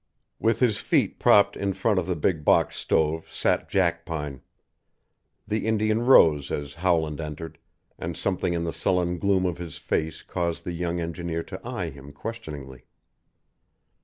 With his feet propped in front of the big box stove sat Jackpine. The Indian rose as Howland entered, and something in the sullen gloom of his face caused the young engineer to eye him questioningly.